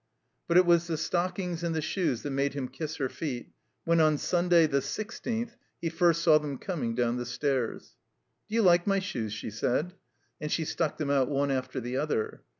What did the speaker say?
But it was the stockings and the shoes that made him kiss her feet when, on Simday, the sixteenth, he first saw them coming down the stairs. "Do you like my shoes?" she said. And she stuck them out one after the other.